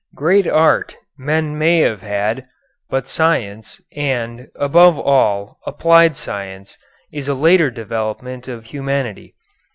Great art men may have had, but science and, above all, applied science, is a later development of humanity.